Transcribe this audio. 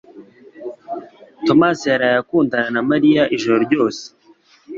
Tomasi yaraye akundana na Mariya ijoro ryose